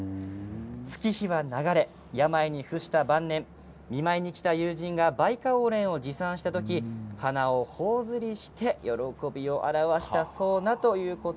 月日は流れ、病に伏した晩年見舞いに来た友人がバイカオウレンを持参した時に花をほおずりして喜びを表したそうな。